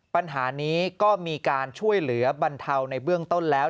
ปัญหานี้ก็มีการช่วยเหลือบรรเทาในเบื้องต้นแล้ว